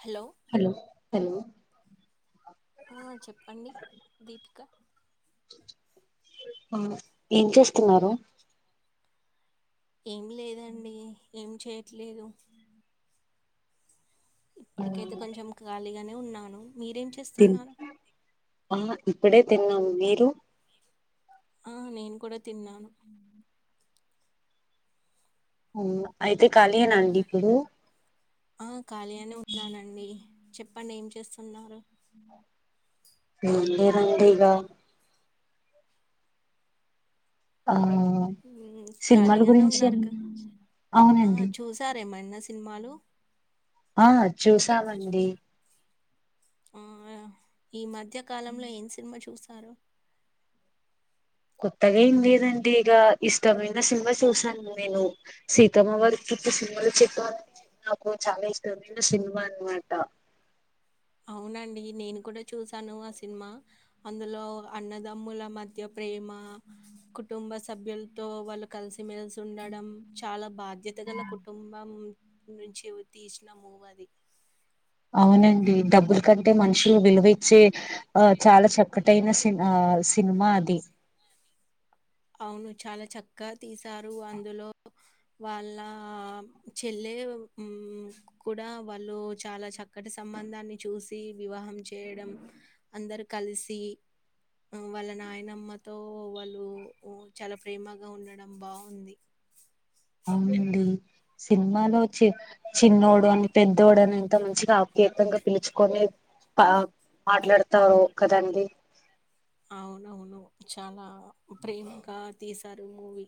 Hello hello hello ఆ చెప్పండి దీపిక ఆ ఏం చేస్తున్నారు ఏమి లేదండి ఏం చేయట్లేదు ఇప్పటికైతే కొంచెం ఖాళీగానే ఉన్నాను మీరేం తిన్ చేస్తున్నారు ఆ ఇప్పుడే తిన్నాము మీరు ఆ నేను కూడా తిన్నాను అవున అయితే ఖాళీ ఏ నా అండి ఇప్పుడు ఆ ఖాళీగానే ఉన్నానండి చెప్పండి ఏం చేస్తున్నారు ఏం లేదండి ఇగ ఆ సినిమాల ఖాళీగానే గురించి ఉన్నారు కద ఆ అవునండి చూసారేమైన సినిమాలు ఆ చూసామండి ఆ ఈ మధ్య కాలంలో ఏం సినిమా చూస కొత్తగా ఏం లేదండి ఇగ ఇష్టమైన సినిమా చూసాను నేన్ నేను సీతమ్మ వాకిట్లో సిరిమల్లె చెట్టు అని నాకు చాలా ఇష్టంమైన సినిమా అన్నమాట అవునండి నేను కూడా చూస్ స్తాను ఆ సినిమా అందులో అన్నదమ్ముల మధ్య ప్రేమ కుటుంబ సభ్యులతో వాళ్ళు కలిసి మెలిసి ఉండడం చాలా బాధ్యత గల కుటుంబం నుంచి తీసిన మూవ్ అది అవునండి డబ్బుల కంటే మనుషులు విలువ ఇచ్చే ఆ చాలా చక్కటైన ఆ సినిమా అది అవును చాలా చక్కగా తీసారు అందులో వాళ్ళ చెల్లె ఎవ్ మ్ కూడా వాళ్ళు చాలా చక్కటి సంబంధాన్ని చూసి వివాహం చేయ డం అందరు కలిసి వాళ్ళ నాయనమ్మతో వాళ్ళు ఒ చాలా ప్రేమగా ఉండడం బావుంది అవునండి సినిమాలోచ్చే చిన్నోడు అని పెద్దోడు అని ఎంత మంచిగా ఆప్యాయతంగా పిలుచుకొని పా మాట్లాడతారు కదండి అవునవును చాలా ప్రేమగా తీశారు మూవీ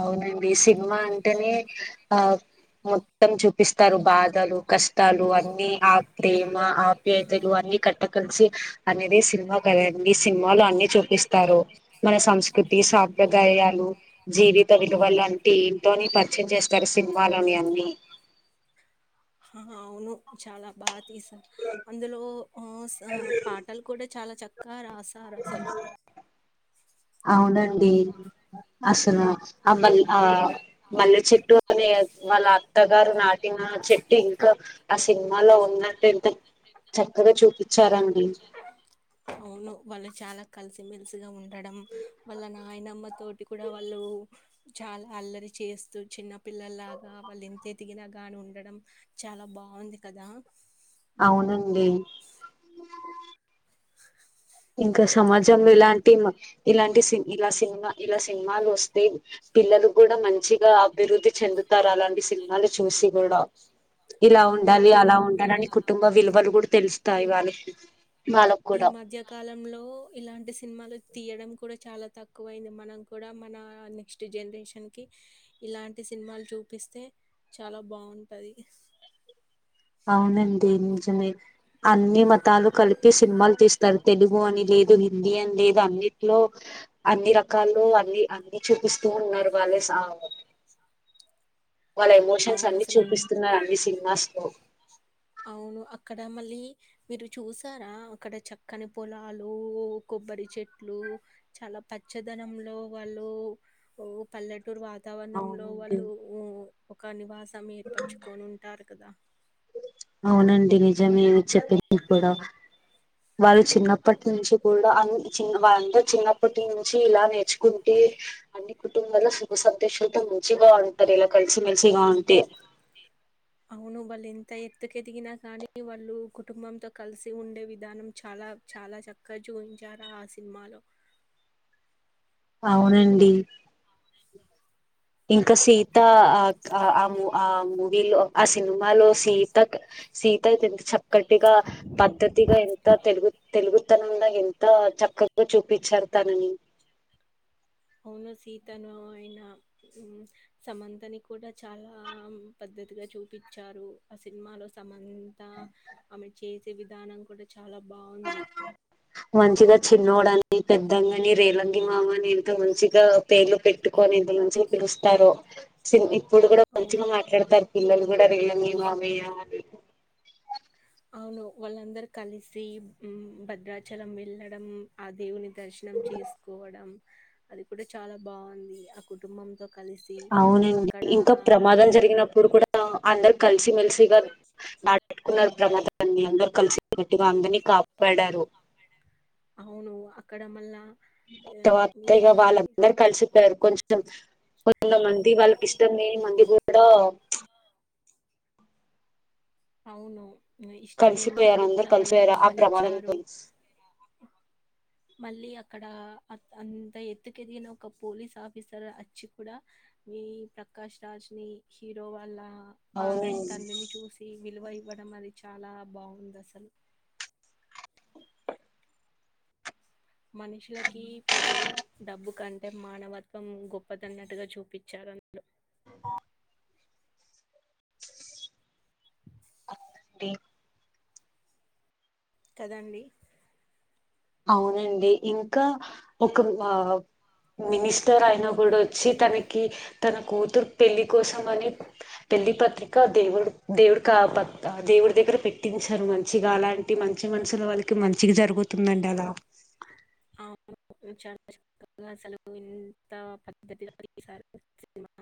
అవునండి సినిమా అంటేనే ఆ మొత్తం చూపిస్ తరు బాధలు కష్టాలు అన్ని ఆ ప్రేమ ఆప్యా తెలు అన్ని కట్ట కలిసి అనేదే సి ఒక రండి సినిమాలు అన్ని చూపిస్తారు మన సంస్కృతి సాంప్రదాయాలు జీవిత విలువలు అంటే ఎంటో అని పరిచయం చేస్తారు సినిమాలోని అన్ని హ అవును చాలా బా తీసారు అందులో ఒ స పాటలు కూడా చాలా చక్క అ రాశారు అస్సలు అవునండి అసలు ఆ మలి ఆ మల్లె చెట్టు ని వాళ్ళ అత్తగారు నాటిన చెట్టు ఇంకా ఆ సినిమాలో ఉందంటే చక్కగా చూపించారండి మెలిసి గ ఉండడం వాళ్ళ నాయనమ్మ తోటి కూడా వాళ్ళు చాలా అల్లరి చే స్తు చిన్న పిల్లలాగా వాళ్ళు ఎంత ఎదిన గాని ఉండడం చాలా బావుంది కదా అవునండి ఇంకా సమాజంలో ఇలాంటి మ ఇలాంటి సిని ఇలా సినిమా ఇలా సినిమాలు వస్తే పిల్లలు గూడ మంచిగా అభివృద్ధి చెందుతారు అలాంటి సినిమాలు చూసి కూడా ఇలా అవును ఉండాలి ఏం అలా ఉండాలని కుటుంబ విలువలు కూడా తెలుస్తాయి వాళ్ళకి వాళ్ళకు ఈ కూడా మధ్య కాలంలో ఒ ఇలాంటి సినిమాలు తీయడం కూడా చాలా తక్కువ అయింది మనం కూడా మన నెక్స్ట్ జనరేషన్ కి ఇలాంటి సినిమాలు చూపిస్తే చాలా బావుంటాది అవునండి నిజమే అన్ని మతాలు కలిపి సినిమాలు తీస్తారు తెలుగు అని లేదు హిందీ అని లేదు అన్నిట్లో అన్ని రకాల్లో అన్ని అన్ని చూపిస్తూ ఉన్నారు వాళ్ళే సా వాళ్ళ ఎమోషన్స్ అన్ని అవునసలు. చూపిస్తున్నా అన్ని సినిమాస్ లో అవును అక్కడ మళ్ళీ మీరు చూసారా అక్కడ చక్కని పొలాలు కొబ్బరి చెట్లు చాలా పచ్చదనంలో వాళ్ళు పల్లెటూరు వా తావరణంలో అవునండి వాళ్ళు ఒక నివాసం ఏర్పరచుకొని ఉంటారు కదా అవునండి నిజమే చెప్పింది కూడా వాళ్ళు చిన్నప్పటి నుంచి కూడా అ చి వ్ వాళందా చిన్నప్పటి నుంచి ఇలా నేర్చుకుంటే అన్ని కుటుంబల్లో సుఖసంతోషాలతో మంచిగా ఉంటది ఇలా కలిసిమెల్సిగా ఉంటే అవును వాళ్ళు ఎంత ఎత్తుకెదిగినా కానీ వాళ్ళు కుటుంబంతో కలిసి ఉండే విధానం చాలా ల చాలా చక్కగా చూపించారు ఆ సినిమాలో అవునండి ఇంకా సీత ఆ ఆూ ఆ మూవీలో ఆ సినిమాలో సీత క్ సీతది ఎంత చక్కటిగా పద్ధతిగా ఎంత తెలుగు తెలుగుతనంలో ఎంత చక్కగా చూపించారు తానని అవును సీతను అయిన సమంతని కూడా చాలా పెద్ ద్దతిగా చూపించారు ఆ సినిమాలో సమంత ఆమె చేసే విధానం కూడా చాలా బాగుంది మంచిగా చిన్నోడని పెద్దన్నని రేలంగి మామన్ అని ఎంత మంచిగా పేర్లు పెట్టుకొని ఎంత మంచిగా పిలుస్తారో ఇప్పుడు కూడా అవును మంచిగా మాట్లాడతారు పిల్లలు కూడా రీలంగి మామయ్య అని అవును వాళ్ళందరు కలిసి భద్రాచలం వెళ్ళడం ఆ దేవుని దర్శ నం చేసుకోవడం అది కూడా చాలా బాగుంది ఆ కుటుంబంతో కలిసి అవునండి అక్కడ ఇంకా ప్రమాదం జరిగినప్పుడు కూడా అందరు కలిసి మెల్సిగా డాటకున్నారు ప్రమాదన్ని అందర్ కలిసి గట్టిగా అందర్ని కాపాడారు అవును అక్కడ మళ్ళా ఏం, తత్త ఈ ఇగ వాళ్ళందరు కలిసిస్తారు కొంచెం కొంతమంది వాళ్ళకి ఇష్టం లేని మంది కూడా అవును ఇష్టం లేని కలిసిపోయారు మంది అందరు కూడా వాళ్ళకి కలిసిపోయారు ఆ విలువనిచ్చారు ప్రమాదంతో మళ్ళీ అక్కడ అంత ఎత్తుకెదిగిన ఒక పోలీస్ ఆఫీసర్ వచ్చి కూడా ఈ ప్రకాష్ రాజ్ ని హీరో వాల్ళ ఆ ఫాదర్ తండ్రిని అవునండి చూసి విలువ ఇవ్వడం అది చాలా బాగుంది అసలు మనుషులకి పదవి డబ్బు కం టే మానవత్వం గొప్పదన్నట్టుగా చూపించారులు అందులో ద్ కదండి అవునండి ఇంకా ఒక ఆ మినిస్టర్ అయిన కూడా వచ్చి తనకి తన కూతురు పెళ్ళి కోసం అని పెళ్లి పత్రిక దేవుడు దేవుడు కాపత్ దేవుడి దగ్గర పెట్టించారు మంచిగా అలాంటి మంచి మనుషుల వాళ్ళకి మంచిగా జరుగుతుం ంట్ అలా చాలా చక్కగా అసలు ఎంత పద్ధతిగ తీసారు సినిమా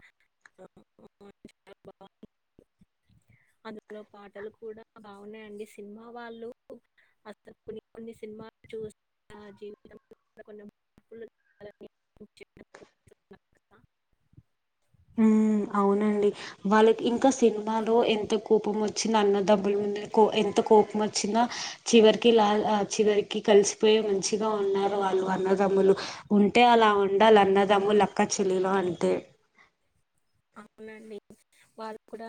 ఆ, చాలా బాగుంది అందులో పాటలు కూడా బాగున్నాయండి సినిమా వాళ్ళు అ కొన్ని కొన్ని సినిమా మనం చూస్తున్న జీవితంలో కూడ కొన్ని [unintelligible] హుమ్ అవునండి వాళ్ళకి ఇంకా సినిమాలో ఎంత కోపం వచ్చిన అన్నదబ్బుల ముందు కో ఎంత కోపం వచ్చినా చివరికి లా చివరికి కలిసిపోయి మంచిగా ఉన్నారు వాళ్ళు అన్నదమ్ములు ఉంటే అలా ఉండాల అన్నదమ్ములు అక్క చేల్ లో అంటే అవునండి వాళ్ళు కూడా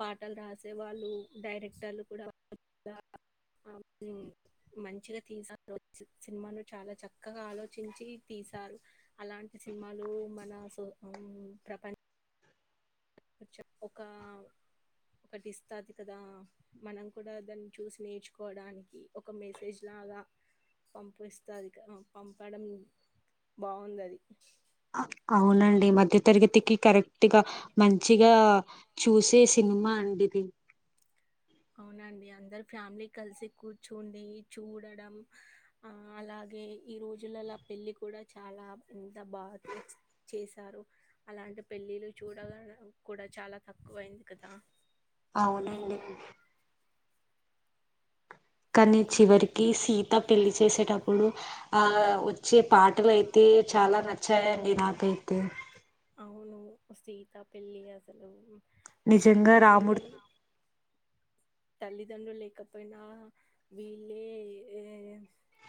పాటలు రాసే వాళ్ళు డైరెక్టర్ కూడా మంచిగా తీస సినిమాను చాలా చక్కగా ఆలోచించి అలాంటి సినిమాలు మన ప్రపంచ ఒక ఒకటి ఇస్తాది కదా మనం కూడా దాన్ని చూసి నేర్చుకోవడానికి ఒక మెసేజ్ లా అగా పంపిస్తంది పంపడం బాగుంది అది అవునండి మధ్య తరగతికి కరెక్ట్గా మంచిగా చూసేసి మా అండిది అవునండి అందరు ఫ్యామిలీ కలిసి కూర్చుండి చూడడం ఆ అలా అలాగే ఈ రోజులల్లా పెళ్లి కూడా చాలా ఎంత బాగా చేశారు అలా అంటే పెళ్ళిళ్ళ చూడ కూడా చాలా తక్కువయింది కదా అవునండి కానీ ఉమ్. చివరికి సీత పెళ్లి చేసేటప్పుడు ఆ వచ్చే పాటలు అయితే చాలా నచ్చాయండి నాకైతే అవును సీత పెళ్ళి అసలు నిజంగా రాముడు సీతకి తల్లిదండ్రులు లేకపోయినా వీళ్ళే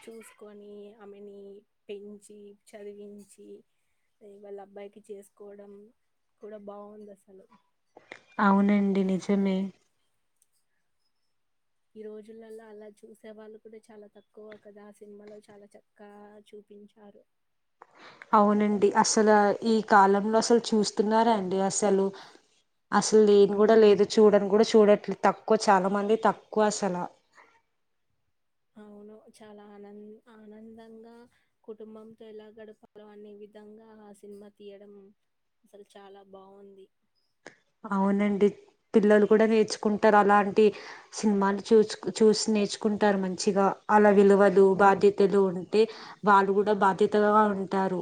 చూసుకొని ఆమెని పెంచి చదివించి ఇవాళ అబ్బాయికి చేసుకోవడం కూడా బాగుంది అసలు అవునండి నిజమే ఈ రోజులల్లా అలా చూసే వాళ్ళు కూడా చాలా తక్కువ కదా ఆ సినిమాలో చాలా చక్కగా చూ చూపించారు అవునండి అసలు ఈ కాలంలో అసలు చూస్తున్నారా అండి అసలు అసలు లేని కూడా లేదు చూడని కూడా చూడట్లేదు తక్కువ చాలా మంది తక్కువ అసల అవును చాలా ఆన ఆనందంగా కుటుంబంతో ఎలా గడపాలో అనే విధంగా ఆ సినిమా తీయడం అసలు చాలా బాగుంది అవునండి పిల్లలు కూడ నేర్చుకుంటారు అలాంటి సినిమాలు చూ చూసిన నేర్చుకుంటారు మంచిగా అలా విలువలు బాధ్యతలు ఉంటే వాళ్ళు కూడా బాధ్యతగా ఉంటారు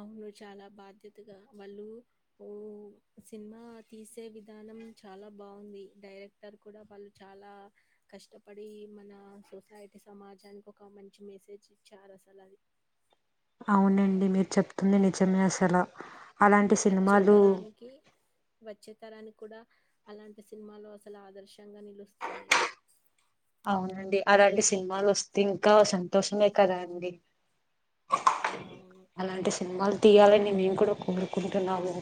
అవును చాలా బాధ్యతగా వాళ్ళు ఓ సినిమా తీసే విధానం చాలా బాగుంది డైరెక్టర్ కూడా వాళ్ళు చాలా కష్టపడి మన సొసైటీ ఇటి సమాజానికి ఒక మంచి మెసేజ్ ఇచ్చారు అసలు అది అవునండి మీరు చెప్తుంది నిజమే అసల వచ్చే తరానికి వచ్చే తరాని కూడ అలాంటి సినిమాలో అసలు ఆదర్శంగా నిలుస్తాయి అవునండి అలాంటి సినిమాలు వస్తే ఇంకా సంతోషమే కదా అండి అవునవును. అలాంటి సినిమాలు తీయాలని మేము కూడా కోరుకుంటున్నాము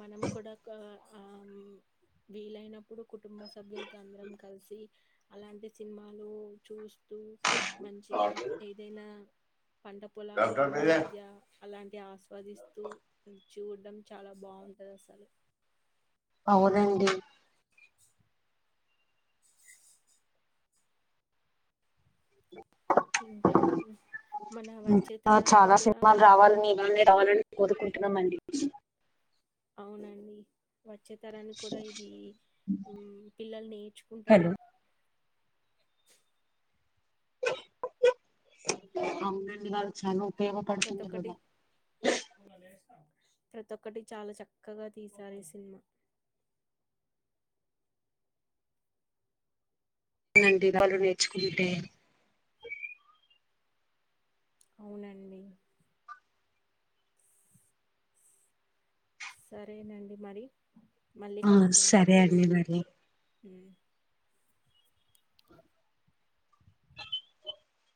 మనం కూడా గా వీలైనప్పుడు కుటుంబ సభ్యులతో అందరం కలిసి అలాంటి సినిమాలు చూస్ మంచిగా ఏదైనా పంట పొలాల మధ్య అలాంటి ఆస్వాదిస్తూ చూడ్డం చాలా బాగుంటది అసలు అవునండి ఇంకా మన వచ్చే కా తరానికి చాలా కూడా సినిమాలు రావాలని రవలని కోరుకుంటున్నామండి అవునండి వచ్చే తరానికి కూడా ఇది పిల్లలు నేర్చుకుంటారు హలో అవునండి వాళ్ చాలు సేవ ప్రతి పడుతుంది ఒక్కటి కదా ప్రతి ఒక్కటి చాలా చక్కగా తీసారు ఈ సినిమా అవునండి వాళ్లు నేర్చుకుంటే అవునండి సరేనండి మరి మళ్ళీ ఆ సరే అండి మరి ఏ [inaudible]